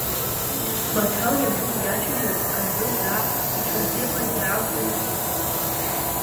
Баҭал иабду диацәажәарц азы заа иҽазыҟаиҵар акәӡами?